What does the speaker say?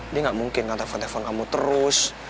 dia gak mungkin nge telepon telepon kamu terus